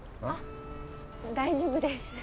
あっ大丈夫です。